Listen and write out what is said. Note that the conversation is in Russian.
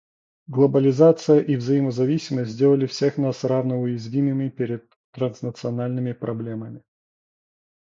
Глобализация и взаимозависимость сделали всех нас равно уязвимыми перед транснациональными проблемами.